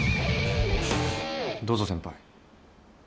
どうぞ先輩。